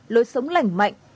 lối sống lành mạnh